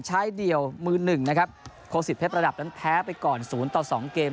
เดี่ยวมือหนึ่งนะครับโคสิตเพชรระดับนั้นแพ้ไปก่อนศูนย์ต่อสองเกม